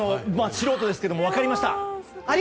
素人ですけど分かりました。